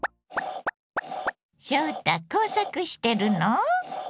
翔太工作してるの？